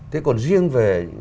thế còn riêng về